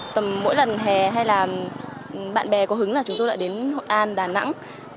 tầm mỗi lần hè hay là bạn bè có hứng là chúng tôi lại đến hội an đà nẵng